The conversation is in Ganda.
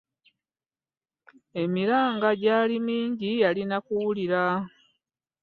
Emiranga gyali mingi yalina kuwulira.